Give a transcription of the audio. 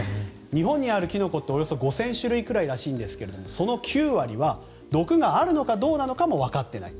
日本にあるキノコっておよそ５０００種類くらいらしいんですがその９割は毒があるのかどうなのかもわかっていない。